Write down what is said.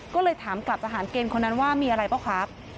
ก็เลยถามกลับทหารเกณฑ์คนนั้นว่ามีอะไรเปล่าครับ